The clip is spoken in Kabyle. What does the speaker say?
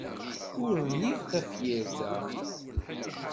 Ur rniɣ tafyirt-a.